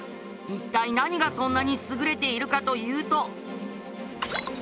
一体何がそんなに優れているかというと。